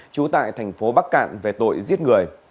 trú tại thành phố bắc cạn về tội giết người